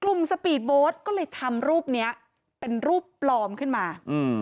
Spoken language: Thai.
สปีดโบสต์ก็เลยทำรูปเนี้ยเป็นรูปปลอมขึ้นมา